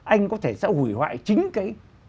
anh có thể sẽ hủy hoại chính cái